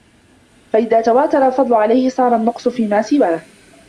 فَإِذَا تَوَاتَرَ الْفَضْلُ عَلَيْهِ صَارَ النَّقْصُ فِيمَا سِوَاهُ